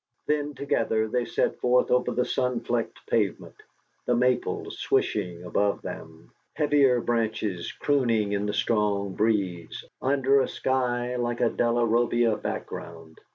Then together they set forth over the sun flecked pavement, the maples swishing above them, heavier branches crooning in the strong breeze, under a sky like a Della Robbia background.